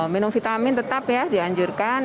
minum vitamin tetap ya dianjurkan